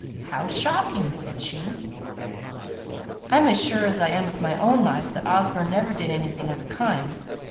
"How shocking!" said she. "I'm as sure as I am of my own life that Osborne never did anything of the kind.